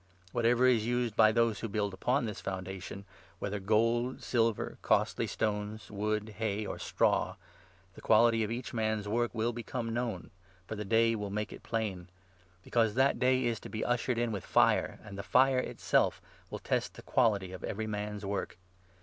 Whatever is used by those 12 who build upon this foundation, whether gold, silver, costly stones, wood, hay, or straw, the quality of each man's work 13 will become known, for the Day will make it plain ; because that Day is to be ushered in with fire, and the fire itself will test the quality of every man's work.